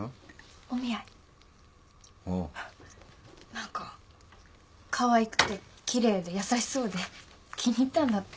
何かかわいくてきれいで優しそうで気に入ったんだって。